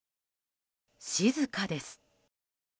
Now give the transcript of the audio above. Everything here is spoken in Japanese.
静かです。